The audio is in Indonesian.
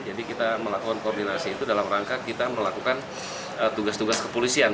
jadi kita melakukan koordinasi itu dalam rangka kita melakukan tugas tugas kepolisian